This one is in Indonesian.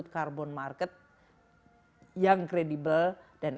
carbon market dengan cara yang lebih